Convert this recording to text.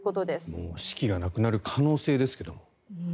もう四季がなくなる可能性ですけど。